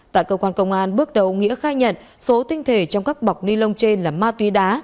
tại cơ quan công an bước đầu nghĩa khai nhận số tinh thể trong các bọc ni lông trên là ma túy đá